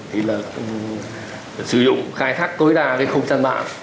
thì là sử dụng khai thác tối đa với không sản bản